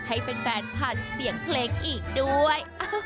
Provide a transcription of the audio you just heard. ให้เป็นแฟนผันเสียงเกรงอีกด้วย